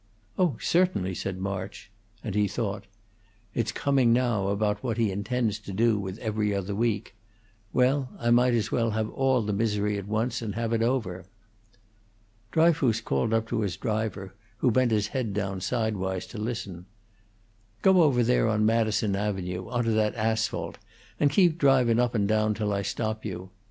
"Oh, certainly," said March, and he thought: "It's coming now about what he intends to do with 'Every Other Week.' Well, I might as well have all the misery at once and have it over." Dryfoos called up to his driver, who bent his head down sidewise to listen: "Go over there on Madison Avenue, onto that asphalt, and keep drivin' up and down till I stop you.